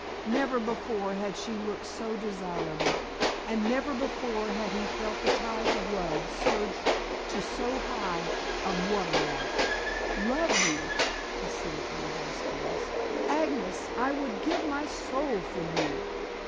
Never before had she looked so desirable, and never before had he felt the tides of love surge to so high a Water mark. "Love you!" he said in a hoarse voice. "Agnes, I would give my soul for you."